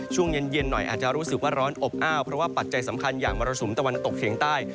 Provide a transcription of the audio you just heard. ช่วงเย็นหน่อยอาจจะรู้สึกว่าร้อนอบอ้าวเพราะว่าปัจจัยสำคัญอย่างมรสุมตะวันตกเฉียงใต้